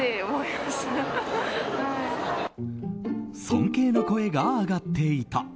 尊敬の声が上がっていた。